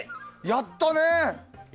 やったね！